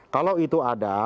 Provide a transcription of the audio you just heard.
kalau itu ada